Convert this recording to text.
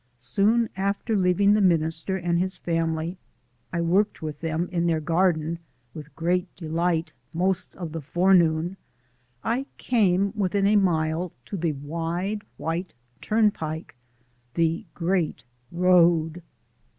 Soon after leaving the minister and his family I worked with them in their garden with great delight most of the forenoon I came, within a mile to the wide white turnpike the Great Road.